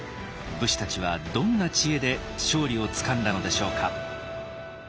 武士たちはどんな知恵で勝利をつかんだのでしょうか。